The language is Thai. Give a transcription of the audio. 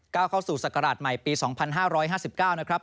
เข้าสู่ศักราชใหม่ปี๒๕๕๙นะครับ